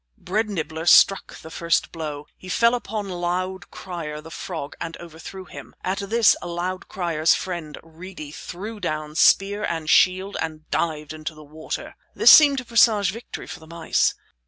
Bread Nibbler struck the first blow. He fell upon Loud Crier the frog, and overthrew him. At this Loud Crier's friend, Reedy, threw down spear and shield and dived into the water. This seemed to presage victory for the mice.